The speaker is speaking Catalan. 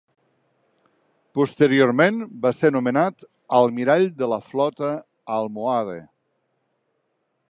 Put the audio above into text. Posteriorment va ser nomenat almirall de la flota almohade.